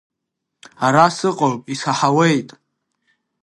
Ара сыҟоуп, исаҳауеит!